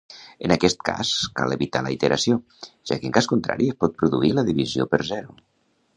En aquest cas, cal evitar la iteració, ja que, en cas contrari, es pot produir la divisió per zero.